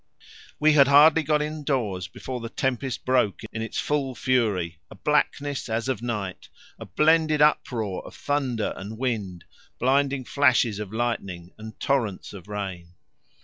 We had hardly got indoors before the tempest broke in its full fury, a blackness as of night, a blended uproar of thunder and wind, blinding flashes of lightning, and torrents of rain.